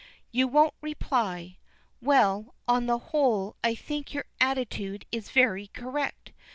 You won't reply. Well, on the whole I think your attitude is very correct.